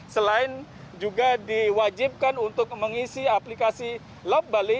selain juga diwajibkan untuk mengisi aplikasi lob bali